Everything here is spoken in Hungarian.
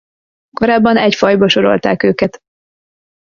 Korábban egy fajba sorolták őket.